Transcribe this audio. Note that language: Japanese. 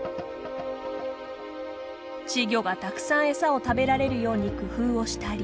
稚魚がたくさん餌を食べられるように工夫をしたり。